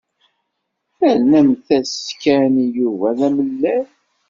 Ternamt-as Ken i Yuba d amalal.